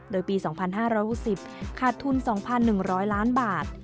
โดยปี๒๕๖๐ขาดทุน๒๑๐๐ล้านบาท